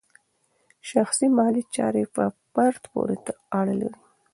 شخصي مالي چارې په فرد پورې اړه لري.